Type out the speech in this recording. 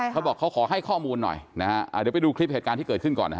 เขาบอกเขาขอให้ข้อมูลหน่อยนะฮะเดี๋ยวไปดูคลิปเหตุการณ์ที่เกิดขึ้นก่อนนะฮะ